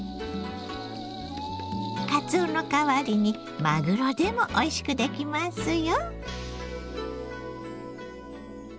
かつおの代わりにマグロでもおいしくできますよ。